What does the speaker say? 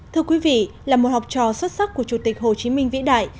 thưa quý vị là một học trò xuất sắc của chủ tịch hồ chí minh vĩ đại